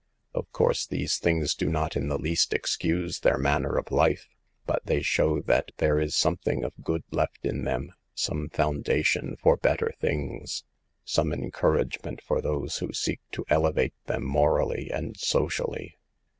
Of course these things do not in the least excuse their manner of life, but they show that there is something of good left in them, some foun dation for better things, some encouragement for those who seek to elevate them morally and socially.